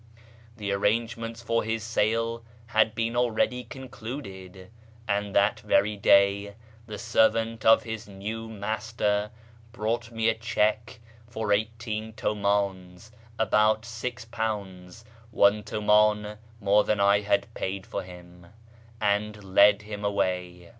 The arrangements for his sale had been already concluded, and that very day the servant of his new master brought me a cheque for eighteen tumdns (about £Q, one tihndn more than I had paid for him), and led him away.